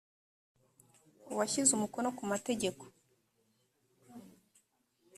uwashyize umukono ku mategeko